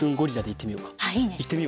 いってみよう。